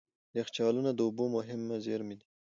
یخچالونه د اوبو مهم زیرمه دي.